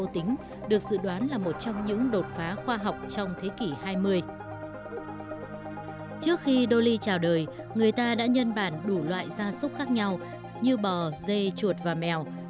trước khi dolly trào đời người ta đã nhân bản đủ loại gia súc khác nhau như bò dê chuột và mèo